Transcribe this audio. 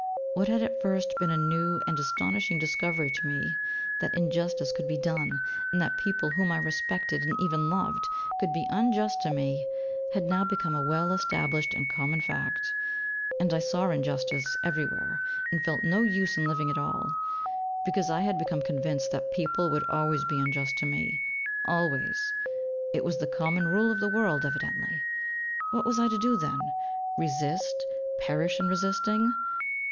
What had at first been a new and astonishing discovery to me, that injustice could be done, and that people whom I respected and even loved, could be unjust to me, had now become a well established and common fact, and I saw injustice everywhere and felt no use in living at all, because I had become convinced that people would always be unjust to me, always; it was the common rule of the world evidently. What was I to do then? Resist, perish in resisting?